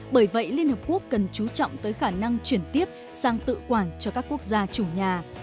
bởi vậy liên hợp quốc cần chú trọng tới khả năng chuyển tiếp sang tự quản cho các quốc gia chủ nhà